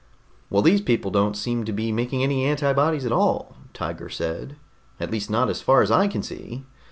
"Well, these people don't seem to be making any antibodies at all," Tiger said. "At least not as far as I can see.